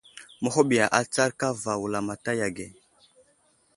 Məhuɓiya atsar kava a wulamataya ge.